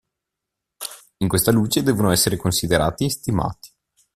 In questa luce devono essere considerati e stimati.